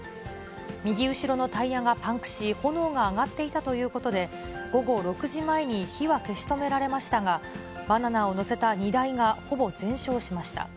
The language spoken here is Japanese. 右後ろのタイヤがパンクし、炎が上がっていたということで、午後６時前に火は消し止められましたが、バナナを載せた荷台がほぼ全焼しました。